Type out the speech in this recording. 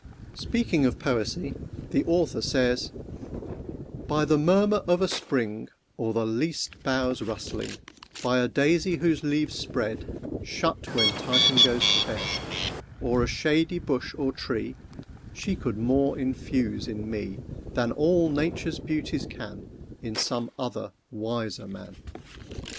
Speaking of Poesy the author says: "By the murmur of a spring, Or the least boughs rustleling, By a daisy whose leaves spread, Shut when Titan goes to bed, Or a shady bush or tree, She could more infuse in me Than all Nature's beauties can In some other wiser man.